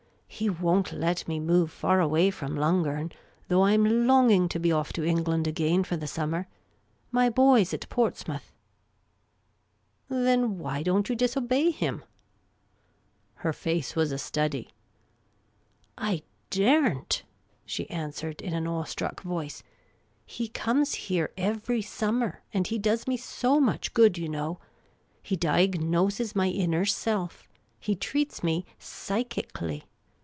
He won't let me move far away from Lungern, though I 'm longing to be off to England again for the summer. My boy 's at Portsmouth." The Amateur Commission Agent 107 " Then, why don't you disobey him ?" Her face was a study. " I dare n't," she answered in an awe struck voice. " He comes here every summer ; and he does me so much good, you know. He diagnoses my inner self. He treats me psychically.